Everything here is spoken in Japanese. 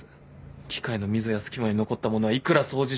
機械の溝や隙間に残ったものはいくら掃除しても消えない。